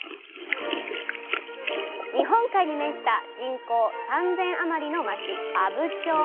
日本海に面した人口３，０００余りの町阿武町。